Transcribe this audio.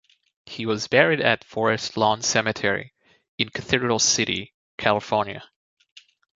He was buried at Forest Lawn Cemetery in Cathedral City, California.